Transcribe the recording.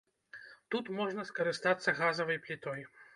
Тут можна скарыстацца газавай плітой.